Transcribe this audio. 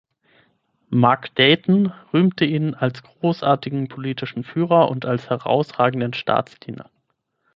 Mark Dayton rühmte ihn als großartigen politischen Führer und als herausragenden Staatsdiener.